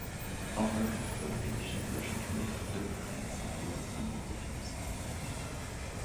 Or l’œuvre des chacun des deux frères s'est progressivement différenciée.